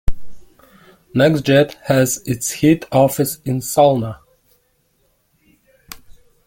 NextJet has its head office in Solna.